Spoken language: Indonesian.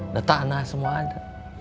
ada tanah semua ada